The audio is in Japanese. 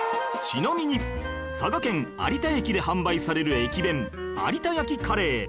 ちなみに佐賀県有田駅で販売される駅弁有田焼カレー